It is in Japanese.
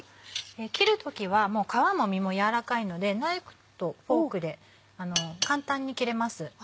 切る時はもう皮も身も軟らかいのでナイフとフォークで簡単に切れます。